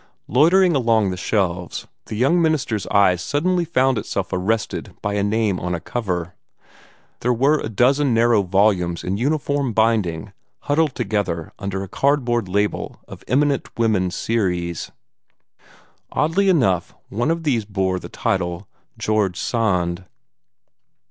Loitering along the shelves, the young minister's eye suddenly found itself arrested by a name on a cover. There were a dozen narrow volumes in uniform binding, huddled together under a cardboard label of "Eminent Women Series." Oddly enough, one of these bore the title "George Sand."